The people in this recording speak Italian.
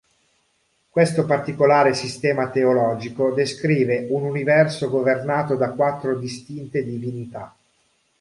Questo particolare sistema teologico descrive un universo governato da quattro distinte divinità.